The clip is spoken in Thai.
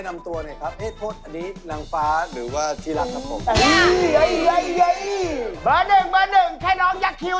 หมายได้รวมหมายได้รวมหมายได้รวม